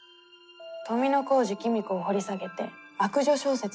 富小路公子を掘り下げて悪女小説に挑戦したい。